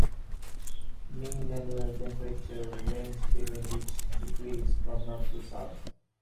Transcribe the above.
Mean annual temperatures range between which decreases from north to south.